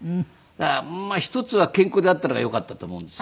まあ一つは健康であったのがよかったと思うんですよ。